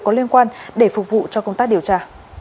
có liên quan để phục vụ cho công tác điều tra